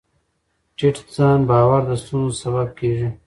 ټیټ ځان باور د ستونزو سبب کېږي.